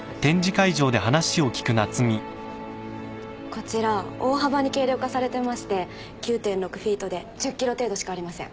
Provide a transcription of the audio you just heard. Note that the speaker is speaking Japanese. こちら大幅に軽量化されてまして９．６フィートで１０ｋｇ程度しかありません。